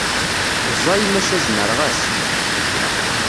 Ẓẓay maca zemreɣ-as.